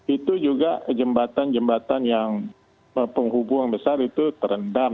itu juga jembatan jembatan yang penghubungan besar itu terendam